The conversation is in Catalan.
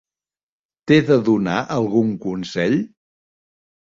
T'he de donar algun consell?